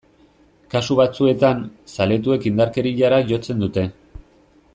Kasu batzuetan, zaletuek indarkeriara jotzen dute.